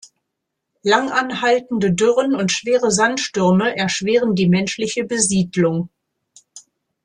Langanhaltende Dürren und schwere Sandstürme erschweren die menschliche Besiedlung.